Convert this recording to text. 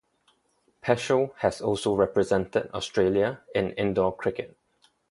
Peschel has also represented Australia in indoor cricket.